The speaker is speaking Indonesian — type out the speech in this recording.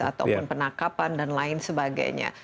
ataupun penangkapan dan lain sebagainya